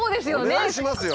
お願いしますよ。